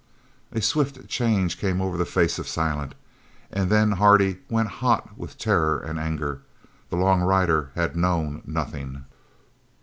A swift change came over the face of Silent, and then Hardy went hot with terror and anger. The long rider had known nothing.